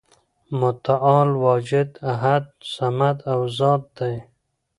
متعال واجد، احد، صمد او ذات دی ،